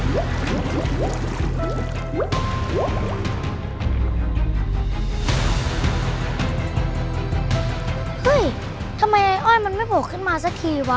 เฮ้ยทำไมไอ้อ้อยมันไม่โผล่ขึ้นมาสักทีวะ